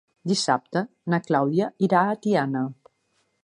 Dissabte na Clàudia irà a Tiana.